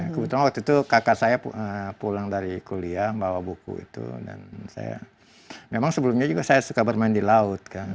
kebetulan waktu itu kakak saya pulang dari kuliah bawa buku itu dan saya memang sebelumnya juga saya suka bermain di laut kan